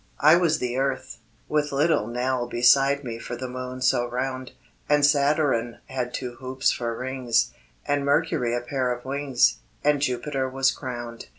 I was the earth, with little Nell Beside me for the moon so round, And Saturn had two hoops for rings, And Mercury a pair of wings, And Jupiter was crowned.